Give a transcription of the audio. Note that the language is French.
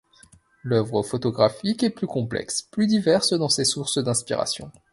L'œuvre photographique est plus complexe, plus diverse dans ses sources d'inspiration.